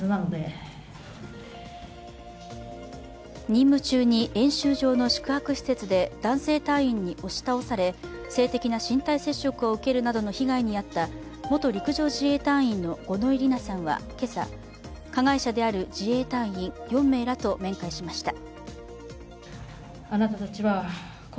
任務中に演習場の宿泊施設で男性隊員に押し倒され性的な身体接触を受けるなどの被害に遭った元陸上自衛隊員の五ノ井里奈さんは今朝、加害者である自衛隊員４名らと面会しました。